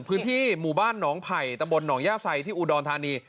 พื้นที่หมู่บ้านหนองไผ่ตำบลหนองย่าไซที่อุดรธานี